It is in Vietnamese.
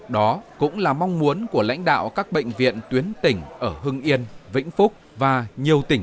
đó cũng là mong muốn của lãnh đạo các bệnh viện tuyến tỉnh ở hưng yên vĩnh phúc và nhiều tỉnh